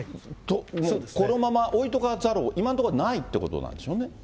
このまま置いとかざるを、今のところ、ないってことなんでしょうね。